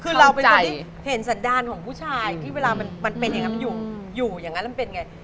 คือเราเป็นคนที่เห็นสันดาลของผู้ชายที่เวลามันเป็นอย่างนั้นมันอยู่อย่างนั้นมันเป็นไง